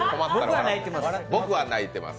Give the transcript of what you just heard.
僕は泣いてます。